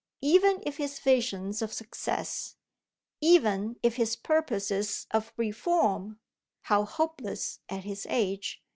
Even if his visions of success, even if his purposes of reform (how hopeless at his age!)